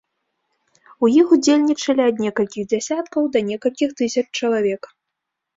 У іх удзельнічалі ад некалькіх дзясяткаў да некалькіх тысяч чалавек.